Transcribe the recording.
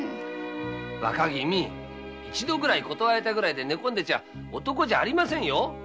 若君一度断られたくらいで寝込んでちゃ男じゃありませんよ。